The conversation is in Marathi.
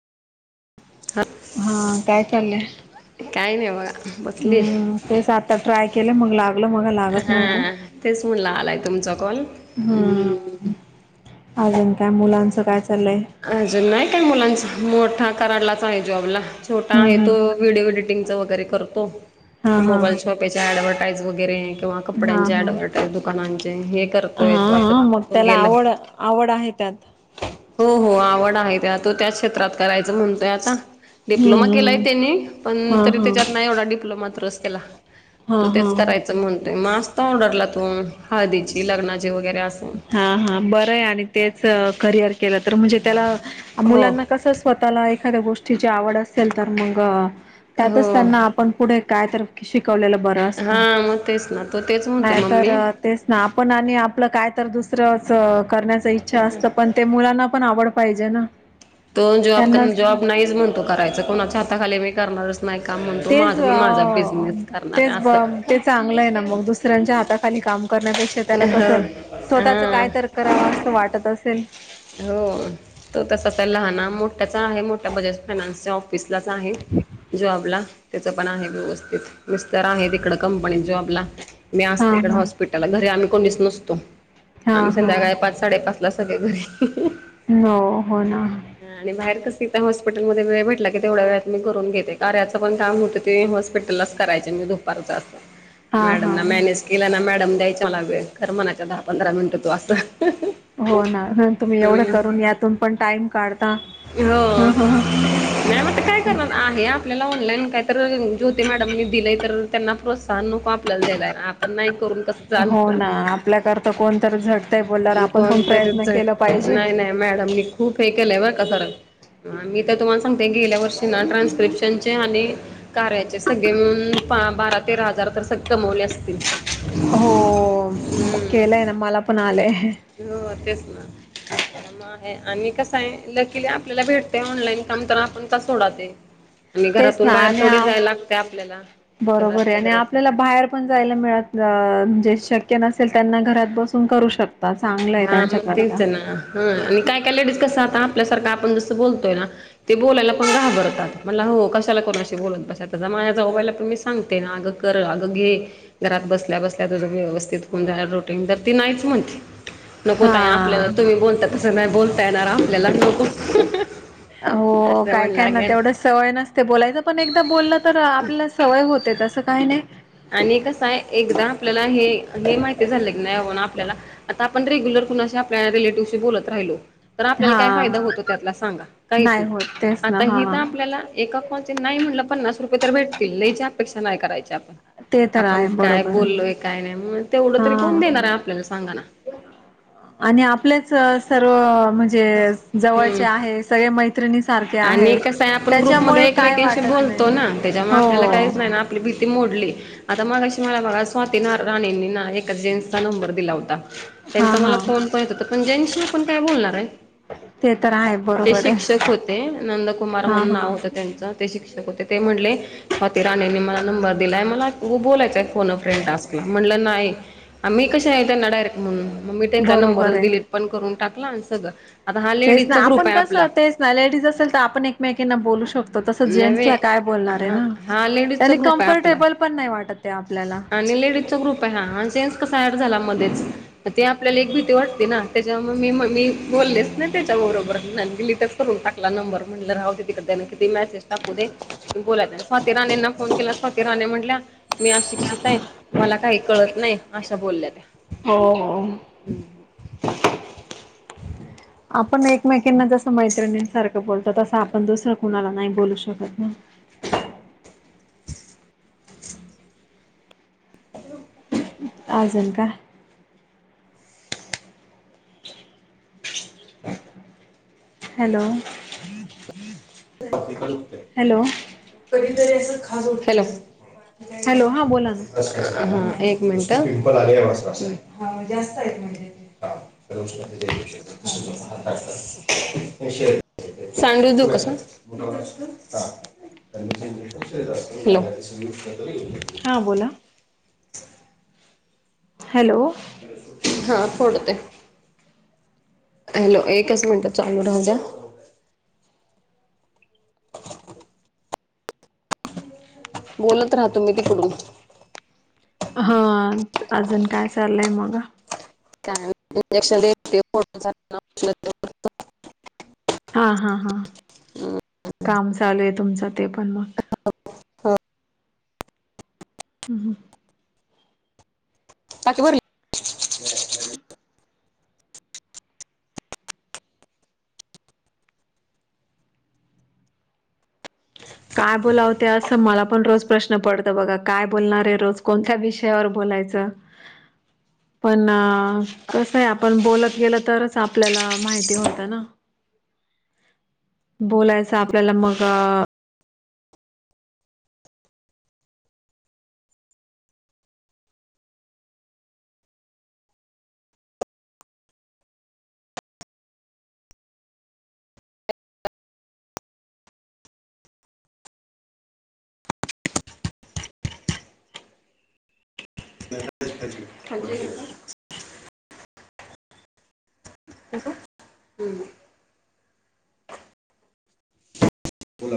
हा हा काय चाललंय. काही नाही बघा बसली. हम्म तेच आता ट्राय केलं मग ला हा तेच म्हणला आलाय तुमचा कॉल हम्. आजन काय मुलांचं काय? चाललंय? अजून नाही काय मुलांचा मोठा कराडलाच आहे जॉब ला छोटा हम्म आहे तो हम्म व्हडिओ एडिटिंगचा वगैरे करतो हा हा मोबाईल शॉपेच्या डवर फाज वगैरे किंवा कपड्यांचे हा ऍडव्हटाईज दुकानांचे हे करतोय हा तो आता हा मग तो गेला. ह. हो हो आवड आहे तो त्या क्षेत्रात करायचं म्हणतोय आता डिप्लोमा केलाय हम्म त्यांनी पण हा तरी हा त्याच्यात नाही एवढा डिप्लोमा तरच त्याला हा तू तेच हा करायच म्हणतोय मस्त ऑर्डरला तू हळदीची लग्नाची वगैरे असं हा हा बर आहे आणि तेच करिअर केलं. तर म्हणजे त्याला हो मुलांना कसं स्वतःला एखाद्या गोष्टीची आवड असेल तर मग हो त्यातच त्यांना आपण पुढे कायत शिक शिकवलेलं बरं हा असतं मग तेच ना तो तेच म्हणतो मम्मी नाहीतर तेच ना आपण आणि आपलं काय तर दुसरंच करण्याच इच्छा असत, पण ते मुलांना पण आवड पाहिजे ना. तो जॉब त्यांनाच जॉब नाहीच म्हणतो करायचा कोणाच्या हाताखाली मी करणार तेच अ करणार तेच आहे असं ते चांगलं आहे ना मग दुस दुसऱ्यांच्या हाताखाली काम करण्यापेक्षा त्याला कसं हो स्वतःच हा कायतर कराव असं वाटत असेल. हो तो तसाच लहाना मोठ्याचा आहे मोठ्या बजाज फायनान्सच्या ऑफिसलाच आहे. जॉबला त्याच पण आहे व्यवस्थित विस्तर आहे तिकड कंपनी जॉब. मी अस हा इ हा हॉस्पिटल घरी आम्ही कोणीच नसतो हा आम्ही हा संध्याकाळी पाच साडे पाच ल सगळे घरी हो हो ना ति त्या हॉस्पिटलमध्ये वेळ भेटला की तेवढ्या वेळत मी करून घेते कार्याच पण काम होत ते हॉस्पिटललाच करायचे. दुपारच असतं. हा हा मॅडम ना मॅनेज केला ना मॅडम द्यायच मला वे खर म्हणाच्या दहा पंधरा मिनिटं तू असं. हो ना तुम्ही एवढं हम्म करून यातून पण टाइम काढ हो नाही म काय करणार आहे आपल्याला ऑनलाईन काहीतरी ज्योती मॅडमने दिले तर त्यांना प्रोत्साहन नको आपल्याला दिला आहे आपण नाही करून कसं हो चालल ना आपल्याकरता कोणतर झट कोण तरी झट नाही नाही मॅडम मी खूप हे केलंय बरं का सर मी तर तुम्हाला सांगते गेल्या वर्षी ना ट्रान्स्क्रिप्शन चे आणि कार्याचे सगळे मिळून बारा तेरा हजार तर सक् कमवले असतील. हो केलंय ना मला पण आलंय. हो तेच ना त्याच्या म आहे. आणि कस आहे लकिले आपल्याला भेटते ऑनलाईन काम तर आपण का सोडा ते. आणि तेच घरातून ना बाहेर आणि थोडी जायला लागते आपल्याला. बरोबर आहे घरातल्या आणि घरात आपल्याला बाहेर पण जायला मिळत जे शक्य नसेल. त्यांना घरात बसून करू शकत. चांगलं आहे हा मग त्यांच्याकरता तेच ना ह आणि काय काय लेडीज कसं आपल्यासारखं आपण जस बोलतोय ना ते बोलायला पण घाबरतात म्हणल हो कशाला कोणाशी बोलत बसायचं. माझ्याबाला पण मी सांगते ना अगं कर अगं घे घरात बसल्या बसल्या त व्यवस्थित होऊन. रोटी तर ती नाहीच म्हणते नको ताई हा आपल्याला तुम्ही बोलता तसं नाही बोलता येणार आपल्याला नको. हो असं काय म्हण काय ना लागेल तेवढं सवय नसते बोलायचं पण एकदा बोललं तर आपल्याला सवय होते. तसं काही नाही. आणि कसं आहे एकदा आपल्याला हे हे माहिती झालं नाही आपल्याला, आता आपण रेगुलर कुणा आपल्या रिलेटिव्हशी बोलत राहिलो. तर आपल्याला काय हा फायदा होतो त्यातला सांगा काहीच नाही. होत तेच ना आता ही हा तर आपल्याला एका कॉल चे नाही म्हटलं पन्नास रुपये तर भेटतील, लयची अपेक्षा नाही करायची आपण. ते तर आपण आहे काय बरोबर आहे बोललोय काय नाही म तेवढं तरी कोण हा देणार आहे आपल्याला सांगाना. आणि आपलेच सर्व म्हणजे हम्म जवळचे आहे सगळे मै आणि कसय आपण ग्रुपमध्ये काय एकमेकांशी वाटत नाही बोलतो ना, त्याच्यामुळे आपल्याला हो काहीच नाही ना आपली ती मोडली आता मगाशी मला बघा स्वाती न राणेंनी ना एका जेंट्सचा नंबर दिला होता. हा त्यांचा हा मला फोन पण येत होता पण ज्यांशी आपण काय बोलणार आहे. ते तर आहे बरोबर आहे. नंद कुमार हा म्हणून नाव हा होत त्यांच ते शिक्षक होते. ते म्हणले स्वाती राणेनी मला नंबर दिलाय मला बोलायचंय फोन फ्रेंड टास्क आहे. म्हणलं नाही. आ मी कशा आहे त्यांना डायरेक्ट म्हणून मग मी त्यांचा बरोबर नंबरच डिलीट आहे पण करून टाकला आणि सगं तेच ना आपण कस तेच ना लेडीज असेल तर आपण एकमेकांना बोलू शकतो. तस नव्हे जेंट्सला काय बोलणार आहे हा ना हा लेडीजचा त्यांनी ग्रुप आहे कम्फर्टेबल पण नाही वाटत ते आपल्याला. लेडीज चा ग्रुप आहे हा हा जेंट्स कसा एड झाला मध्येच? ते आपल्याला एक भीती वाटते ना त्याच्या मी म मी बोललेच ना त्याच्याबरोबर गेली तर करून टाकला नंबर म्हटलं राहते तिकडे त्या मेसेज टाकू दे बो स्वाती राणेंना फोन केला स्वाती राणे म्हटल्या मी अशिक्षित आहे मला काही कळत नाही अशा बोलल्या त्या हो हो आपण एकमेकीना जसं मैत्रिणींसारखं बोलतो तसं आपण दुसरं कुणाला नाही बोलू शकत ना [inaudible] [unintelligible] आजल का हॅलो हॅलो कधीतरी असं खास उठाला हॅलो हा बोला ना एक मिनिट आ जास्त म्ह हष्ण सांगू दू कसं ुाशन हा बोला [inaudible] हॅलो हा फोडते हॅलो एकच मिनिट चालू राह द बोलत राहतो मी तिकडून हा अजून काय चाललंय मग का इंजेक्शन दोट हा हा हा काम चालू आहे तुमचं ते पण मग हा हम् हम बाकी बर हम् काय बोला होते अस मला पण रोज प्रश्न पडत बघा काय बोलणार आहे रोज कोणत्या विषयावर बोलायचं पण कसं आहे आपण बोलत गेल तरच आपल्याला माहिती होतं ना बोलायचं आपल्याला मग [unintelligible] ह